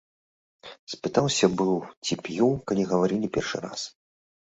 Спытаўся быў, ці п'ю, калі гаварылі першы раз.